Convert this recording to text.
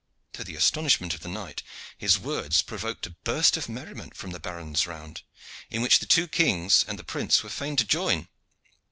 To the astonishment of the knight, his words provoked a burst of merriment from the barons round, in which the two kings and the prince were fain to join.